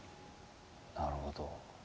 なるほど。